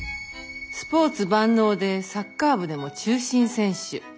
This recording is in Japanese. スポーツ万能でサッカー部でも中心選手。